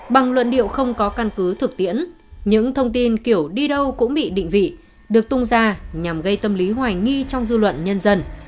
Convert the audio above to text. bằng luận điệu không có căn cứ thực tiễn những thông tin kiểu đi đâu cũng bị định vị được tung ra nhằm gây tâm lý hoài nghi trong dư luận nhân dân